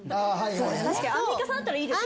確かにアンミカさんだったらいいですよね。